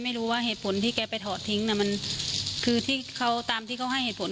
จะถอดด้วยเหตุผลอะไรก็แล้วแต่เขาแต่ถ้าเขายอมรับว่าเป็นเสื้อเขามันก็ต้องมีเหตุผล